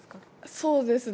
そうですね。